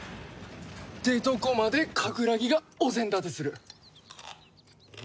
ってとこまでカグラギがお膳立てする。